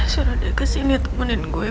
suruh kesini temenin gue